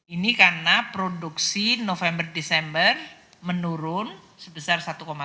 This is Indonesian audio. ini karena produksi november desember menurun sebesar satu empat